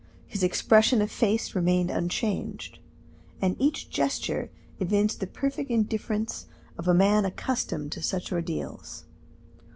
His expression of face remained unchanged, and each gesture evinced the perfect indifference of a man accustomed to such ordeals.